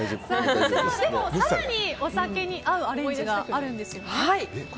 更にお酒に合うアレンジがあるんですよね。